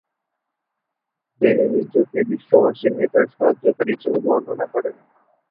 তিনি নিজেকে ’বিশ্বাসীদের নেতার সাহায্যকারী’ হিসেবেও বর্ণনা করেন।